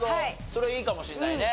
それいいかもしんないね。